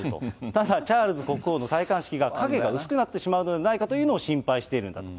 ただ、チャールズ国王の戴冠式が影が薄くなってしまうのではないかということを心配しているんだと。